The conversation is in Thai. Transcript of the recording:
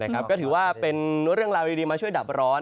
ก็ถือว่าเป็นเรื่องราวดีมาช่วยดับร้อน